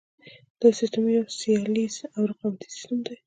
دا سیستم یو سیالیز او رقابتي سیستم دی.